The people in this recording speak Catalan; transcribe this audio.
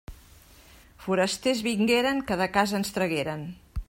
Forasters vingueren que de casa ens tragueren.